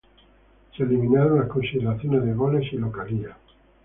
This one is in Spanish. Se eliminaron las consideraciones de goles y localía.